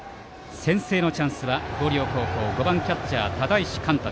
先制のチャンスは広陵高校５番キャッチャー、只石貫太。